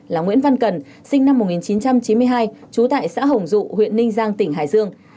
là nguyễn văn cần sinh năm một nghìn chín trăm chín mươi hai trú tại xã hồng dụ huyện ninh giang tỉnh hải dương